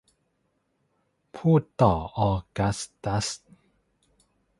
พูดต่อออกัสตัส